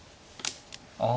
あ。